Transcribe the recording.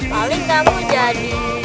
paling kamu jadi